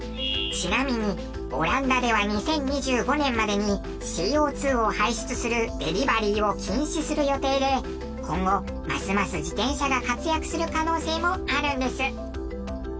ちなみにオランダでは２０２５年までにＣＯ２を排出するデリバリーを禁止する予定で今後ますます自転車が活躍する可能性もあるんです。